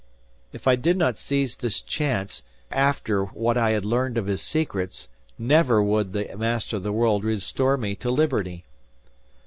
If I did not seize this chance, never, after what I had learned of his secrets, never would the Master of the World restore me to liberty.